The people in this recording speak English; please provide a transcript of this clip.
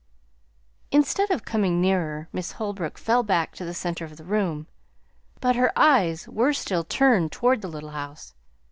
Instead of coming nearer Miss Holbrook fell back to the center of the room; but her eyes were still turned toward the little house.